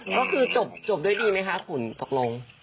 ก็คือจบด้วยดีไหมคะคุณตกลง